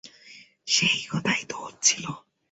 সেই কথাই তো হচ্ছিল।